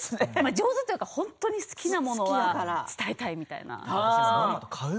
上手というか本当に好きなものは伝えたいんです。